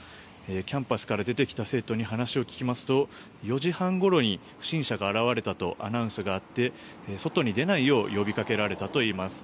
キャンパスから出てきた生徒に話を聞きますと４時半ごろに不審者が現れたとアナウンスがあって外に出ないよう呼びかけられたといいます。